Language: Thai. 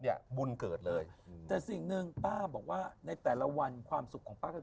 บุญเกิดเลยแต่สิ่งหนึ่งป้าบอกว่าในแต่ละวันความสุขของป้าก็คือ